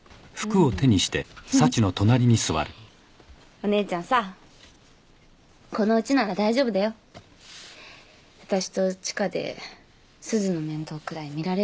お姉ちゃんさこのうちなら大丈夫だよ。あたしと千佳ですずの面倒くらい見られるし。